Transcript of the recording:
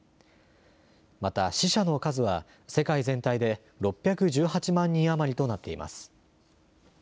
また死者の数は世界全体で６１８万人余りとなっています。